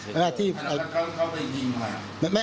เป็นอะไรแรกทักษะคอวัสสาห์เขาไปยิงมา